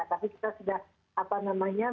tapi kita sudah apa namanya